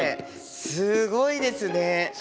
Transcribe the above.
すごいですね。